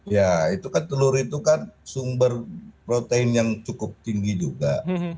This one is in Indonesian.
ya itu kan telur itu kan sumber protein yang cukup tinggi juga